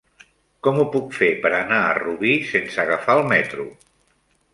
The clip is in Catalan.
Com ho puc fer per anar a Rubí sense agafar el metro?